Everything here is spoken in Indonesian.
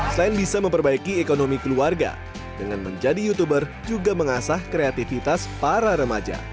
selain bisa memperbaiki ekonomi keluarga dengan menjadi youtuber juga mengasah kreativitas para remaja